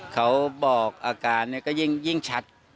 เขาบอกอาการก็ยิ่งชัด